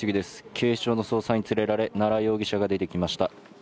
警視庁の捜査員に連れられ奈良容疑者が出てきました。